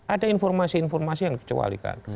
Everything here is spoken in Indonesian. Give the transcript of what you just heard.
ada informasi informasi yang dikecualikan